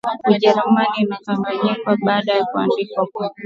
Ujerumani na ikagawanyika baada ya kuundwa kwa